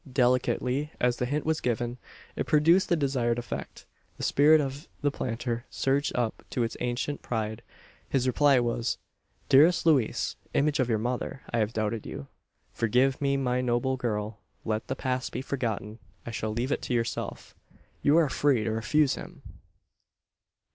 Delicately as the hint was given, it produced the desired effect. The spirit of the planter surged up to its ancient pride, His reply was: "Dearest Louise! image of your mother! I had doubted you. Forgive me, my noble girl! Let the past be forgotten. I shall leave it to yourself. You are free to refuse him!"